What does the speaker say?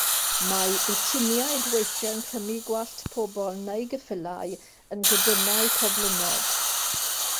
Mae lwtiniaid weithiau'n clymu gwallt pobl neu geffylau yn gudynnau coblynnod.